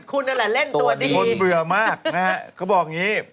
คุณนั่นแหละเล่นตัวจริงคนเบื่อมากนะฮะเขาบอกอย่างนี้